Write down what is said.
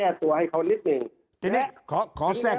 ต้องแจ้ตัวให้เขานิดนึง